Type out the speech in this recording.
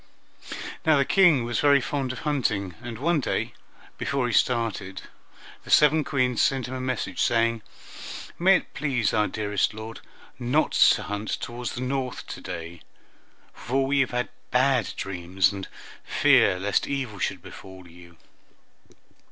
Now the King was very fond of hunting, and one day, before he started, the seven Queens sent him a message saying, "May it please our dearest lord not to hunt toward the north to day, for we have dreamed bad dreams, and fear lest evil should befall you."